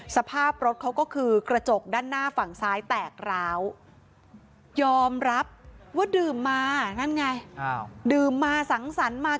สภาพรถเขาก็คือกระจก